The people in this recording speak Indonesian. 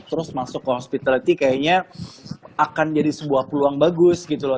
terus masuk ke hospitality kayaknya akan jadi sebuah peluang bagus gitu loh